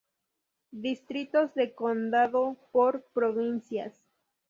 Distritos de condado por provincias.